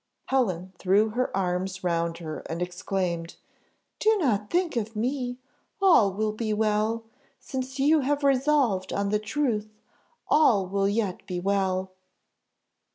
Helen threw her arms round her, and exclaimed, "Do not think of me! all will be well since you have resolved on the truth, all will yet be well."